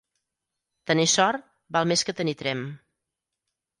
Tenir Sort val més que tenir Tremp.